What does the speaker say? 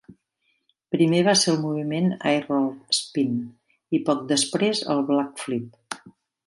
Primer va ser el moviment Air Roll Spin i poc després el Blackflip.